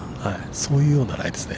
そういうようなライですね。